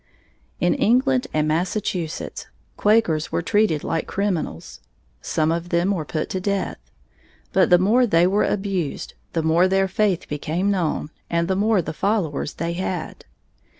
In England and Massachusetts, Quakers were treated like criminals. Some of them were put to death. But the more they were abused, the more their faith became known, and the more followers they had.